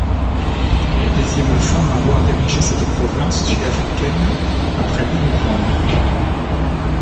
Elle est la deuxième femme à avoir diriger cette province sud-africaine après Lynne Brown.